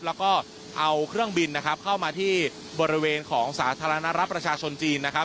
แล้วก็เอาเครื่องบินนะครับเข้ามาที่บริเวณของสาธารณรัฐประชาชนจีนนะครับ